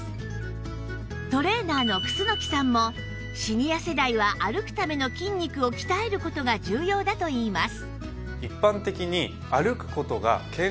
トレーナーの楠さんもシニア世代は歩くための筋肉を鍛える事が重要だと言います